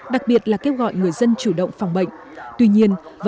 đặc biệt là kêu gọi người dân chủ động phòng bệnh